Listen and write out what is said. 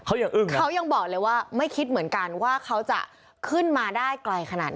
เขายังอึ้งเขายังบอกเลยว่าไม่คิดเหมือนกันว่าเขาจะขึ้นมาได้ไกลขนาดไหน